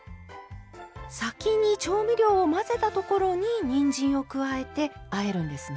先に調味料を混ぜたところににんじんを加えてあえるんですね。